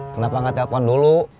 kenapa gak telepon dulu